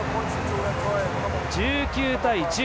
１９対１０。